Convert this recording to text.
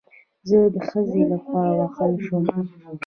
زه د ښځې له خوا ووهل شوم